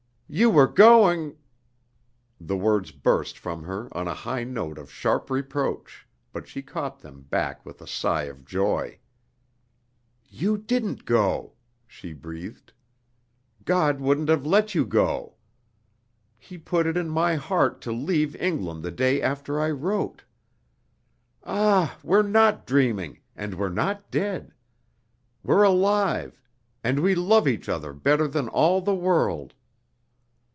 "You were going " The words burst from her on a high note of sharp reproach, but she caught them back with a sigh of joy. "You didn't go!" she breathed. "God wouldn't have let you go. He put it in my heart to leave England the day after I wrote. Ah, we're not dreaming, and we're not dead! We're alive, and we love each other better than all the world.